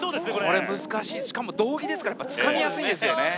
これ難しいしかも胴着ですからやっぱつかみやすいんですよね